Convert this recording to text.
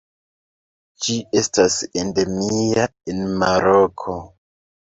Ĝi estas endemia en Maroko.